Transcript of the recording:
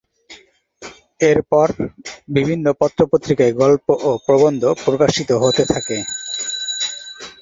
এরপর বিভিন্ন পত্রপত্রিকায় গল্প ও প্রবন্ধ প্রকাশিত হতে থাকে।